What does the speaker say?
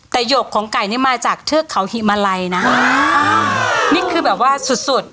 แต่หยกของไก่นี่มาจากเทือกเขาหิมาลัยนะอ่านี่คือแบบว่าสุดสุด